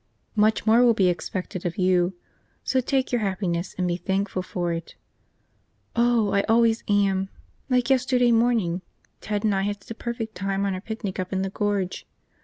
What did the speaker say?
"Much more will be expected of you. So take your happiness and be thankful for it." "Oh, I always am! Like yesterday morning. Ted and I had such a perfect time on our picnic up in the Gorge.